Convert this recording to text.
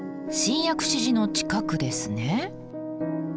新薬師寺の近くですね。